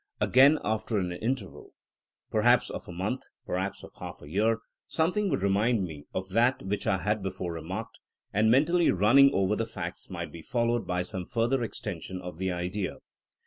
Again after an interval, perhaps of a month, perhaps of half a year, something would remind me of that which I had before remarked; and mentally running over the facts might be fol lowed by some further extension of the idea.